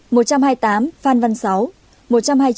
một trăm hai mươi tám phan văn sáu